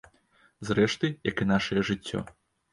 Зрэшты, як і нашае жыццё.